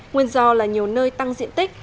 nguyên do là nhiều nơi tăng diện tích